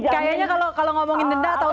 kayaknya kalau ngomongin denda atau